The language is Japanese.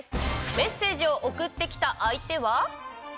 メッセージを送ってきた相手は。